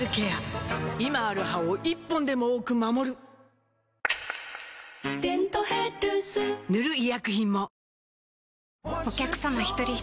今ある歯を１本でも多く守る「デントヘルス」塗る医薬品も